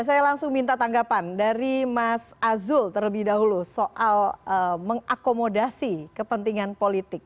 saya langsung minta tanggapan dari mas azul terlebih dahulu soal mengakomodasi kepentingan politik